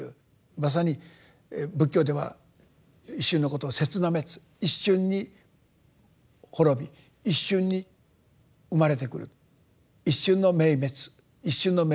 まさに仏教では一瞬のことを「刹那滅」一瞬に滅び一瞬に生まれてくる一瞬の明滅一瞬の明滅と。